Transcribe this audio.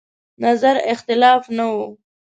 نظر اختلاف نه و.